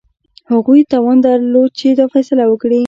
هغوی توان درلود چې دا فیصله وکړي.